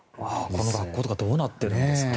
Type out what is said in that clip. この学校とかどうなってるんですかね。